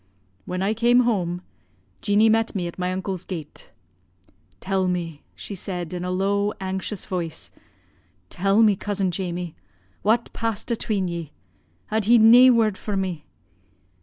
"When I came home, Jeanie met me at my uncle's gate. 'Tell me,' she said in a low anxious voice, 'tell me, cousin Jamie, what passed atween ye. Had he nae word for me?'